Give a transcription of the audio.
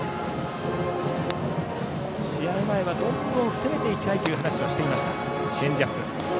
試合前はどんどん攻めていきたいという話をしていました。